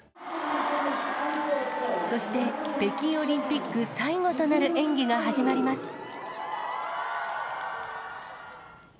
そして北京オリンピック最後となる演技が始まります。